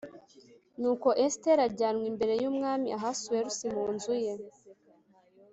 Nuko Esiteri ajyanwa imbere y’Umwami Ahasuwerusi mu nzu ye